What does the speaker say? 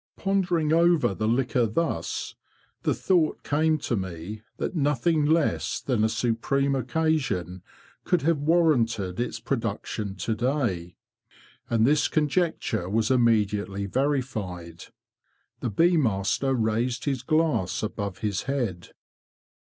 Pondering over the liquor thus, the thought came to me that nothing less than a supreme occasion could have warranted its production to day. And this conjecture was immedi ately verified. The bee master raised his glass above his head.